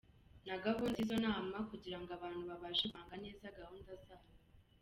Na gahunda z’ izo nama kugira ngo abantu babashe gupanga neza gahunda zabo”.